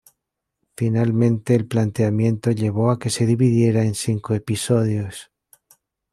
Finalmente, el planteamiento llevó a que se dividiera en cinco episodios.